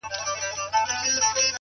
پاچا صفا ووت ه پکي غل زه یم